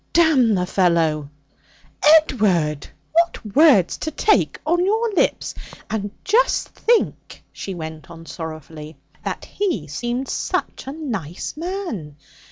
'Damn the fellow!' 'Edward! What words you take on your lips! And just think,' she went on sorrowfully, 'that he seemed such a nice man.